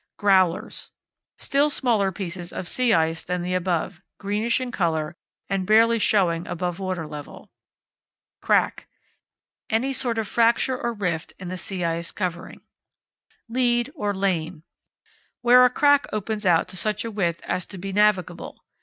Growlers. Still smaller pieces of sea ice than the above, greenish in colour, and barely showing above water level. Crack. Any sort of fracture or rift in the sea ice covering. Lead or Lane. Where a crack opens out to such a width as to be navigable.